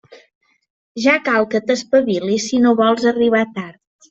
Ja cal que t'espavilis si no vols arribar tard.